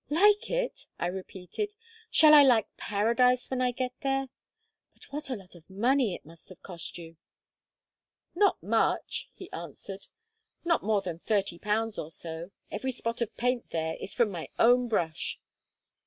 "Like it?" I repeated. "Shall I like Paradise when I get there? But what a lot of money it must have cost you!" "Not much," he answered; "not more than thirty pounds or so. Every spot of paint there is from my own brush."